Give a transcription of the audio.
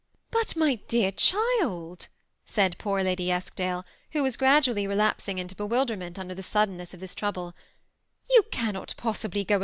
" But my dear child," said poor Lady Eskdale, who was gradually relapsing into bewilderment under the suddenness of this trouble, "you cannot possibly go 294 TH£ SEBO ATTACHED COUPLE.